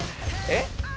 えっ？